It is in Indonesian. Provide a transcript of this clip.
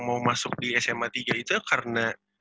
mau masuk di sma tiga itu karena